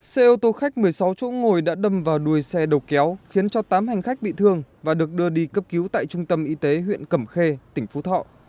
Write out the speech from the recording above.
xe ô tô khách một mươi sáu chỗ ngồi đã đâm vào đuôi xe đầu kéo khiến cho tám hành khách bị thương và được đưa đi cấp cứu tại trung tâm y tế huyện cẩm khê tỉnh phú thọ